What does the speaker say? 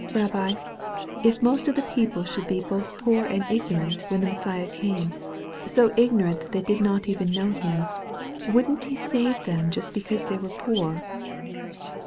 "Rabbi, if most of the people should be both poor and ignorant when the Messiah came, so ignorant that they did not even know Him, wouldn't He save them just because they were poor?"